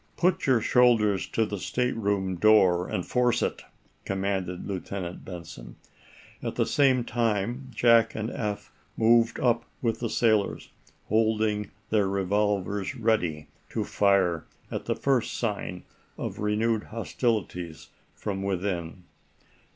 "Put your shoulders to the stateroom door, and force it," commanded Lieutenant Benson. At the same time Jack and Eph moved up with the sailors, holding their revolvers ready to fire at the first sign of renewed hostilities from within.